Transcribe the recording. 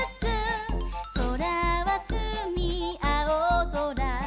「そらはすみあおぞら」